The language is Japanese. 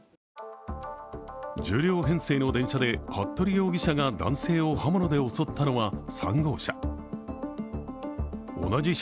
１０両編成の電車で服部容疑者が男を刃物で襲ったのは３号車。